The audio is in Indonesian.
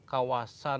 ini adalah kawasan hutan